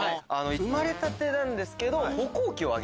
生まれたてなんですけど。